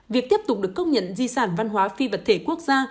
việc tiếp tục được công nhận di sản văn hóa phi vật thể quốc gia